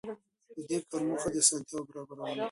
د دې کار موخه د اسانتیاوو برابرول وو.